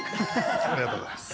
ありがとうございます。